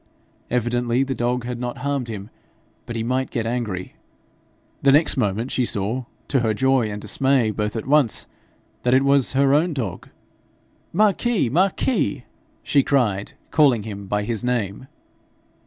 Evidently the dog had not harmed him but he might get angry. The next moment she saw, to her joy and dismay both at once, that it was her own dog. 'Marquis! Marquis!' she cried, calling him by his name.